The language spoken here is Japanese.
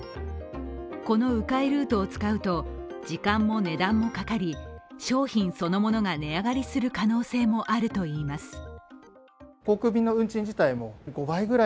この迂回ルートを使うと時間も値段もかかり商品そのものが値上がりする可能性もあるといいます。